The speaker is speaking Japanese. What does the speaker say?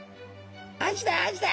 「アジだアジだ。